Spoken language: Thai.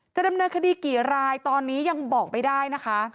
จะดำเนินคดีกี่รายตอนนี้ยังบอกไม่ได้นะคะ